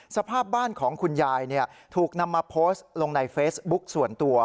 สภาพบ้านของคุณยายถูกนำมาโพสต์ลงในเฟซบุ๊กส่วนตัว